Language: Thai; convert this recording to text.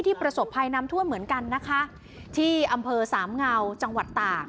ประสบภัยนำทั่วเหมือนกันนะคะที่อำเภอสามเงาจังหวัดต่าง